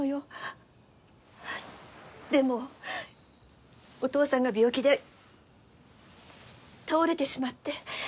でもお父さんが病気で倒れてしまって。